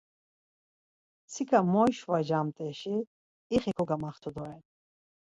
Mtsika moişvacamt̆eşi ixi kogamaxtu doren.